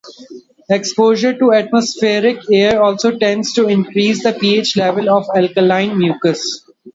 Exposure to atmospheric air also tends to increase the pH level of alkaline mucus.